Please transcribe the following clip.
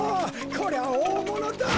こりゃおおものだ。